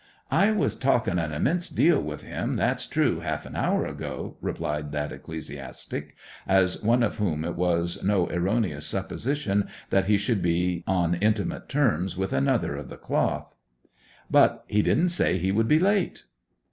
'I was talking an immense deal with him, that's true, half an hour ago,' replied that ecclesiastic, as one of whom it was no erroneous supposition that he should be on intimate terms with another of the cloth. 'But he didn't say he would be late.